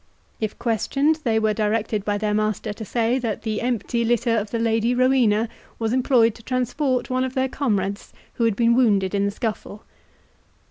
If questioned, they were directed by their master to say, that the empty litter of the Lady Rowena was employed to transport one of their comrades who had been wounded in the scuffle.